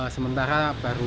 sementara baru lima belas